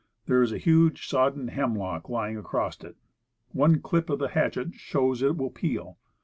There is a huge soddened hemlock lying across it. One clip of the hatchet shows it will peel.